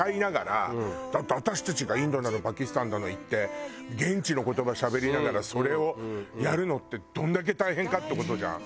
だって私たちがインドだのパキスタンだの行って現地の言葉しゃべりながらそれをやるのってどんだけ大変かって事じゃん。